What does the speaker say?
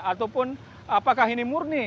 ataupun apakah ini murni